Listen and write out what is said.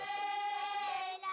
hei lasik langhare ye